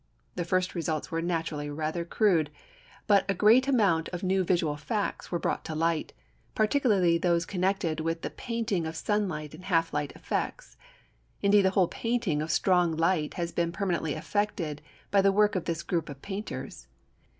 The first results were naturally rather crude. But a great amount of new visual facts were brought to light, particularly those connected with the painting of sunlight and half light effects. Indeed the whole painting of strong light has been permanently affected by the work of this group of painters.